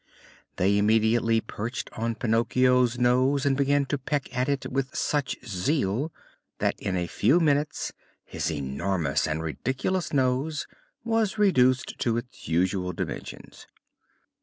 They immediately perched on Pinocchio's nose and began to peck at it with such zeal that in a few minutes his enormous and ridiculous nose was reduced to its usual dimensions.